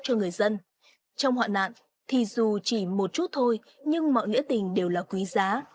trong hoạn nạn thì dù chỉ một chút thôi nhưng mọi nghĩa tình đều là quý giá